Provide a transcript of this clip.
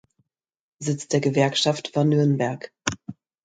Sitz der Gewerkschaft war Nürnberg.